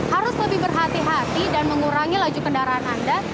harus lebih berhati hati dan mengurangi laju kendaraan anda